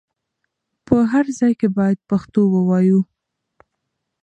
په هر ځای کې بايد پښتو ووايو.